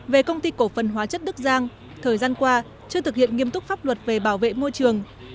về công ty cổ phần hóa chất đức giang thời gian qua chưa thực hiện nghiêm túc pháp luật về bảo vệ môi trường